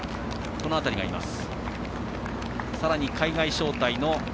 この辺りがいます。